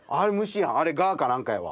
あれ蛾か何かやわ。